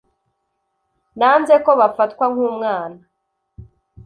Nanze ko bafatwa nk'umwana.